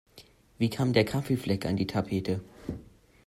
Wie kam der Kaffeefleck an die Tapete?